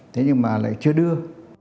thế nhưng mà lại chưa đưa